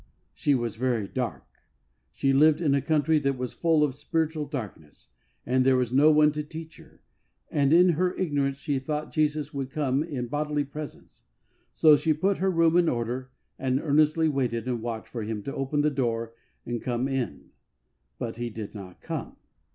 She was very dark. She lived in a country that was full of spiritual darkness, and there was no one to teach her, and in her ignorance she thought Jesus would come in bodily presence, so she put her room in order and earnestly waited and watched for Him to open the door and come in. But He did not come.